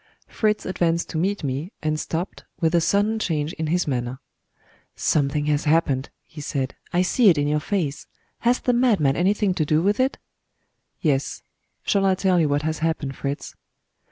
Fritz advanced to meet me, and stopped, with a sudden change in his manner. "Something has happened," he said "I see it in your face! Has the madman anything to do with it?" "Yes. Shall I tell you what has happened, Fritz?"